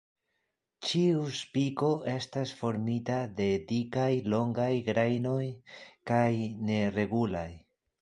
Ĉiu spiko estas formita de dikaj longaj grajnoj kaj neregulaj.